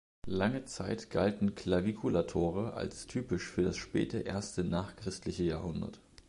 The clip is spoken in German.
Lange Zeit galten Clavicula-Tore als typisch für das späte erste nachchristliche Jahrhundert.